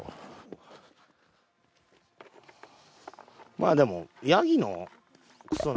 まあでもヤギのクソ。